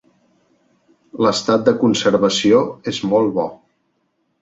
L'estat de conservació és molt bo.